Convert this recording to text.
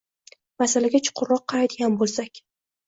Masalaga chuqurroq qaraydigan bo‘lsak